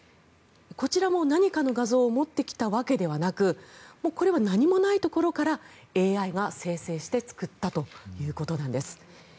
こちらも何かの画像を持ってきたわけではなくこれは何もないところからＡＩが生成して作ったということです。